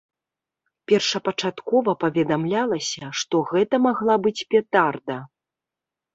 Першапачаткова паведамлялася, што гэта магла быць петарда.